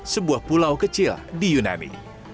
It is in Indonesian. sebuah pulau kecil di yunani